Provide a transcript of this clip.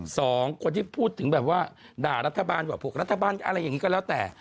สองคนที่พูดถึงแบบว่าด่ารัฐบาลว่าพวกรัฐบาลอะไรอย่างนี้ก็แล้วแต่